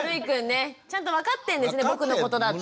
僕のことだって。